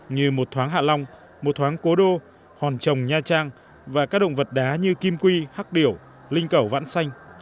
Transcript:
như một thoáng hạ long một thoáng cố đô hòn trồng nha trang và các động vật đá như kim quy hắc điểu linh cẩu vãn xanh